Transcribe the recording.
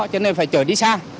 cho nên phải chở đi xa